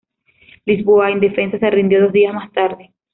Lisboa, indefensa, se rindió dos días más tarde.